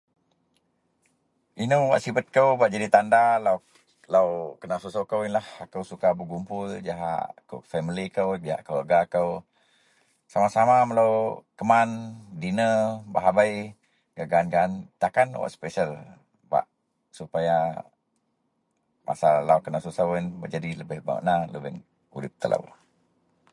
Ino wak sibet kou bak jadi tanda lau kenasuso kou iyenlah akou suka begupul jahak famili kou jahak keluarga kou sama-sama melo keman dina bah abei gaan-gaan takan puon sepesel bak supaya masa lau kenasuso iyen menjadi lebeh makna gak telo.